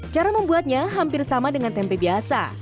cara membuatnya hampir sama dengan tempe biasa